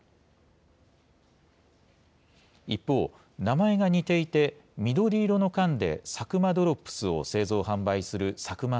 一方、名前が似ていて、緑色の缶でサクマドロップスを製造・販売するサクマ